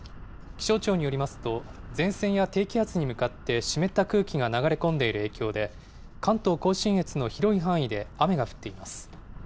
気象庁によりますと、前線や低気圧に向かって湿った空気が流れ込んでいる影響で、関東甲信越の広い範囲で雨が降っています。